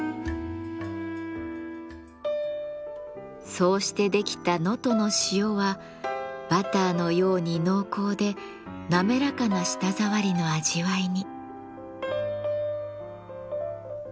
そうして出来た能登の塩はバターのように濃厚でなめらかな舌触りの味わいに。